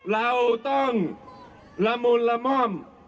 เราต้องละมุนละม่อม